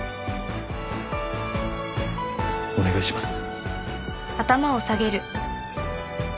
お願いします。